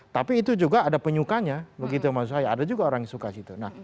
tapi itu juga ada penyukanya begitu maksud saya ada juga orang yang suka situ